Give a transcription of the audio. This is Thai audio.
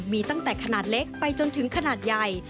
มีตั้งแต่ขนาดเล็กไปจนถึงขนาดใหญ่